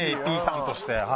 ＡＰさんとして。